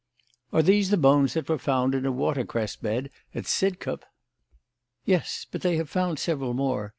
"Are these the bones that were found in a watercress bed at Sidcup?" "Yes. But they have found several more.